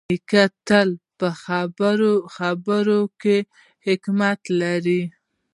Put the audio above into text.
نیکه تل په خپلو خبرو کې حکمت لري.